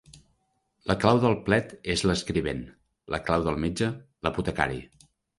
La clau del plet és l'escrivent; la clau del metge, l'apotecari.